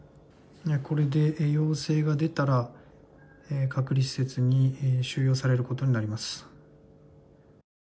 これで陽性が出たら隔離施設に収容されることになります。